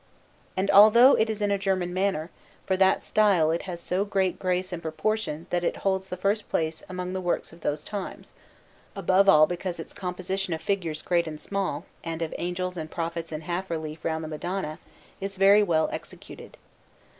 And although it is in a German manner, for that style it has so great grace and proportion that it holds the first place among the works of those times, above all because its composition of figures great and small, and of angels and prophets in half relief round the Madonna, is very well executed.